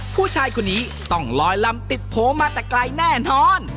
ผู้ชายคนนี้ต้องลอยลำติดโผล่มาแต่ไกลแน่นอน